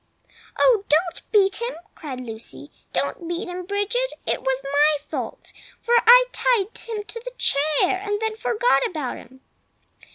"Oh, don't beat him!" cried Lucy, "don't beat him, Bridget! It was my fault, for I tied him to the chair, and then forgot about him."